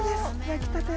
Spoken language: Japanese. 焼きたて。